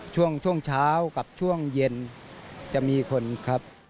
ช่วงเช้ากับช่วงเย็นจะมีคนครับ